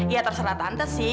ya terserah tante sih